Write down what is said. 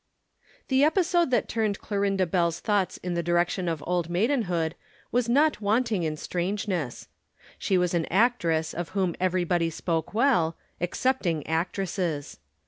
The episode that turned Clorinda Bell's thoughts in the direction of Old Maidenhood was not wanting in strangeness. She was an actress of whom everybody spoke well, excepting actresses.